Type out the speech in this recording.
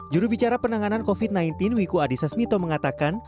jurubicara penanganan covid sembilan belas wiku adhisa smito mengatakan